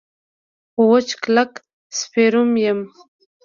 خو وچ کلک سیفور یم.